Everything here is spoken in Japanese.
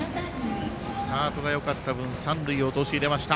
スタートがよかった分三塁へ陥れました。